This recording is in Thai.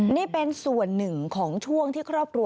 นี่เป็นส่วนหนึ่งของช่วงที่ครอบครัว